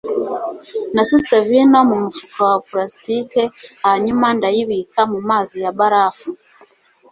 nasutse vino mumufuka wa pulasitike hanyuma ndayibika mumazi ya barafu